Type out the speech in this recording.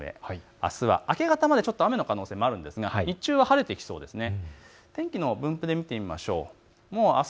あすは明け方まで雨の可能性もありますが日中は晴れてきそうです。